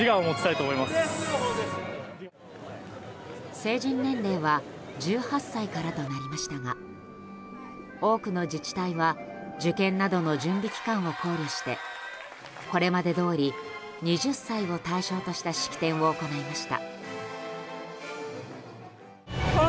成人年齢は１８歳からとなりましたが多くの自治体は受験などの準備期間を考慮してこれまでどおり２０歳を対象とした式典を行いました。